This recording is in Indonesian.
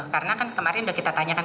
karena kan kemarin kita sudah tanyakan